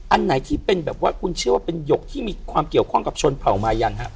อันไหนที่เป็นแบบว่าคุณเชื่อว่าเป็นหยกที่มีความเกี่ยวข้องกับชนเผ่ามายังฮะ